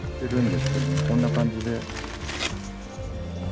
こんな感じで。